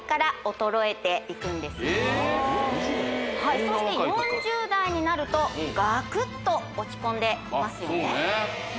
そんな若い方４０代になるとガクッと落ち込んでいますよね